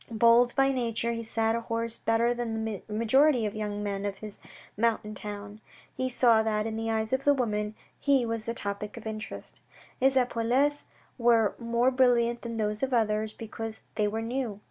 Bold by nature, he sat a horse better than the majority of the young men of this mountain town. He saw that, in the eyes of the women, he was the topic of interest. His epaulettes were more brilliant than those of the others, because they were new.